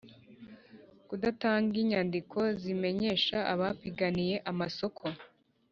(kudatanga inyandiko zimenyesha abapiganiye amasoko)